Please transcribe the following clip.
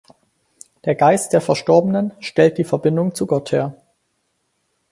Der Geist der verstorbenen stellt die Verbindung zu Gott her.